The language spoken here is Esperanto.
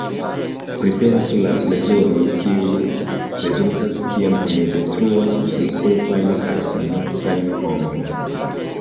Pripensu la plezuron kiu rezultas kiam oni detruas senkulpajn kaj sennocajn homojn.